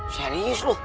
hah serius lo